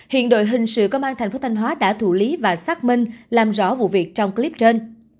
hiện đội hình sự công an tp thanh hóa đã thủ lý và xác minh làm rõ vụ việc trong clip trên